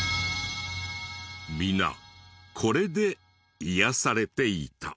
皆これで癒やされていた。